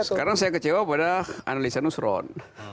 sekarang saya kecewa pada analisa nusron